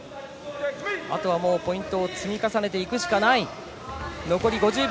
あとはもう、ポイントを積み重ねていくしかない。